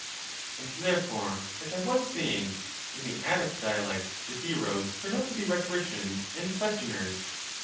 And therefore, as I was saying, in the Attic dialect the heroes turn out to be rhetoricians and questioners.